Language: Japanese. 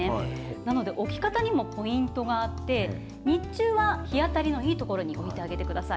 なので、置き方にもポイントがあって、日中は日当たりのいい所に置いてあげてください。